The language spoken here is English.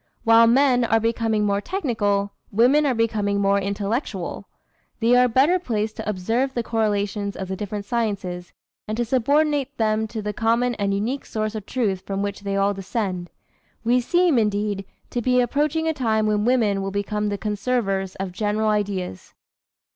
While men are becoming more technical, women are becoming more intellectual. They are better placed to observe the correlations of the different sciences, and to subordinate them to the common and unique source of truth from which they all descend. We seem, indeed, to be approaching a time when women will become the conservers of general ideas."